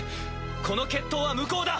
この決闘は無効だ！